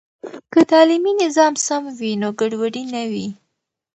که تعلیمي نظام سم وي، نو ګډوډي نه وي.